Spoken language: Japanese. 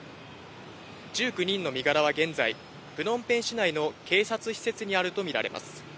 １９人の身柄は現在プノンペン市内の警察施設にあるとみられます。